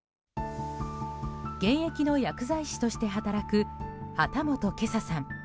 現役の薬剤師として働く幡本圭左さん。